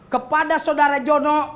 kepada sodara jono